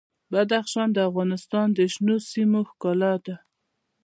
بدخشان د افغانستان د شنو سیمو ښکلا ده.